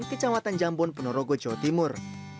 kecamatan jambon ponorogo jawa timur